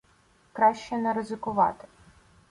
Краще не ризикувати.